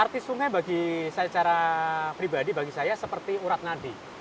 arti sungai bagi saya secara pribadi bagi saya seperti urat nadi